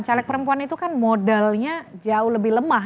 caleg perempuan itu kan modalnya jauh lebih lemah